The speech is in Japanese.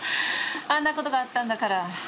あんな事があったんだから。